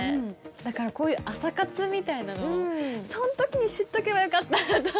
だからこういう朝活みたいなのをその時に知っておけばよかったと思って。